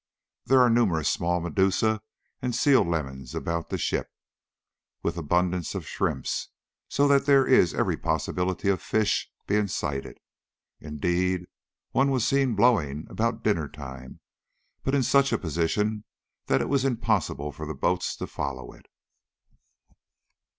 There are numerous small Medusae and sealemons about the ship, with abundance of shrimps, so that there is every possibility of "fish" being sighted. Indeed one was seen blowing about dinner time, but in such a position that it was impossible for the boats to follow it.